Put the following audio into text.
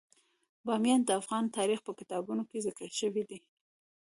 بامیان د افغان تاریخ په کتابونو کې ذکر شوی دي.